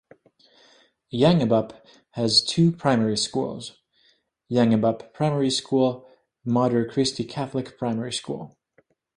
Yangebup has two primary schools: Yangebup Primary School, Mater Christi Catholic Primary School.